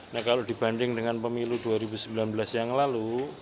nah kalau dibanding dengan pemilu dua ribu sembilan belas yang lalu